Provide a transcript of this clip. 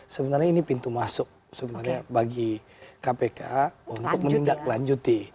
sebenarnya ini pintu masuk bagi kpk untuk mendaklanjuti